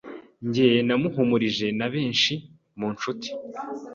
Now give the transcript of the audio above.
Jye nahumurijwe nabesnhi munshuti